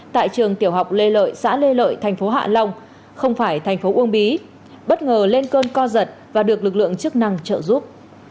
tại trường tiểu học lê lợi xã lê lợi thành phố hạ long không phải thành phố uông bí bất ngờ lên cơn co giật và được lực lượng chức năng trợ giúp